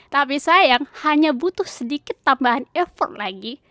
tapi sayang hanya butuh sedikit tambahan effort lagi